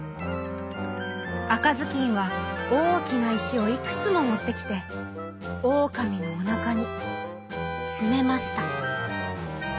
あかずきんはおおきないしをいくつももってきてオオカミのおなかにつめました。